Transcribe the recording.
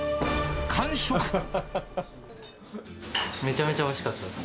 めちゃめちゃおいしかったです。